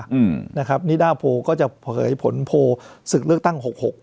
อืมนะครับนิดาโพก็จะเผยผลโพลศึกเลือกตั้งหกหก